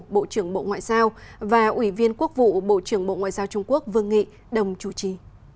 bộ trưởng bộ ngoại giao và ủy viên quốc vụ bộ trưởng bộ ngoại giao trung quốc vương nghị đồng chủ trì